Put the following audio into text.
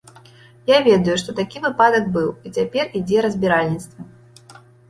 Я ведаю, што такі выпадак быў, і цяпер ідзе разбіральніцтва.